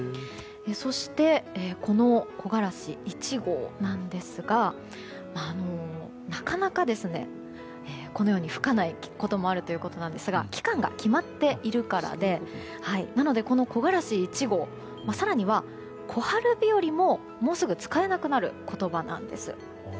そしてこの木枯らし１号なんですがなかなか吹かないこともあるということなんですが期間が決まっているからでなので、この木枯らし１号更には小春日和ももうすぐ使えなくなる言葉なんです。